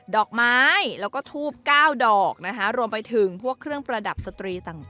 ดอกไม้แล้วก็ทูบ๙ดอกนะคะรวมไปถึงพวกเครื่องประดับสตรีต่าง